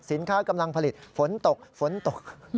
สินค้ากำลังผลิตฝนตกฝนตก